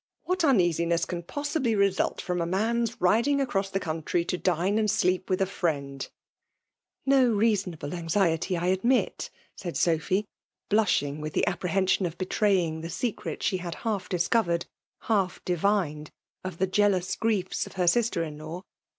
What uneasiness ean pos* gibly result from a man's riding aeross the country to dine and sleep with a friend V '' No reasonable anxiety, I admit/ Sophy, blushing with the apprdliension q( betraying the seciet she had half disooverec^ half divined, of the jealous griefs of her sister in law.